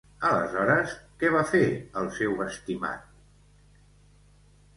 Aleshores, què va fer el seu estimat?